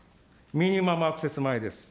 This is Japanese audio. ミニマムアクセス米です。